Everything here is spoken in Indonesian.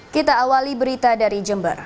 kita awali berita dari jember